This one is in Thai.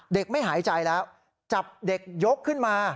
ไม่หายใจแล้วจับเด็กยกขึ้นมา